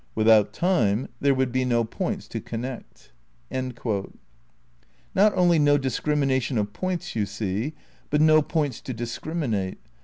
Without Time there would be no points to connect." ' Not only no discrimination of points, you see, but no points to discriminate.